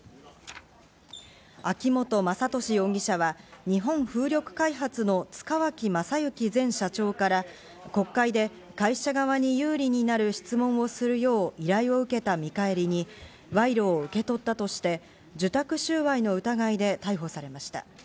秋本真利容疑者は、日本風力開発の塚脇正幸前社長から国会で会社側に有利になる質問をするよう依頼を受けた見返りに、賄賂を受け取ったとして受託収賄の疑いで逮捕されました。